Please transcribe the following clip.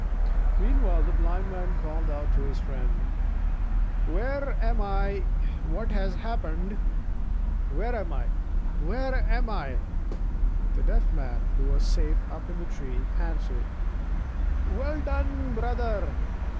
Meanwhile the Blind Man called out to his friend: "Where am I? What has happened? Where am I? Where am I?" The Deaf Man (who was safe up in the tree) answered: "Well done, brother!